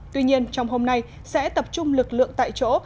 tuy nhiên trong hôm nay sẽ tập trung lực lượng tại chỗ